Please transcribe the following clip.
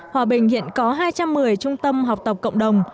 hòa bình hiện có hai trăm một mươi trung tâm học tập cộng đồng